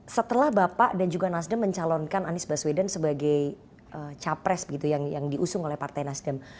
setelah bapak dan juga nasdem mencalonkan anies baswedan sebagai capres yang diusung oleh partai nasdem